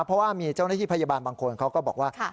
เพราะว่ามีเจ้าหน้าที่พยาบาลบางคนเขาก็บอกว่า